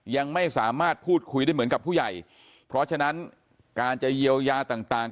ยังไม่สามารถพูดคุยได้เหมือนกับผู้ใหญ่เพราะฉะนั้นการจะเยียวยาต่าง